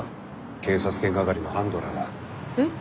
警察犬係のハンドラーだ。え？